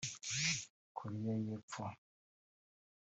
Korea y’Epfo